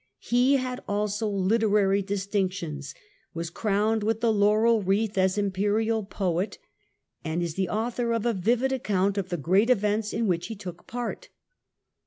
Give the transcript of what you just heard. He had also literary distinctions, Germany was crowued with the laurel wreath as Imperial poet, the Roman and is the author of a vivid account of the great'events ope, 1447 • j^ which he took part.